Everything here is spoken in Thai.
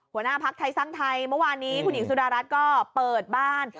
หัวหน้าภักดิ์ไทยสร้างไทยเมื่อวานนี้คุณหญิงสุดารัฐก็เปิดบ้าน